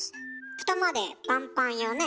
フタまでパンパンよね？